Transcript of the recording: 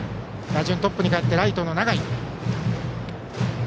打順トップにかえってライトの永井。